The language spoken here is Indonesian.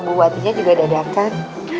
buatnya juga dadahkan